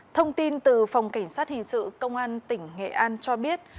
thông tin từ phòng cảnh sát hình sự công an tỉnh nghệ an cho biết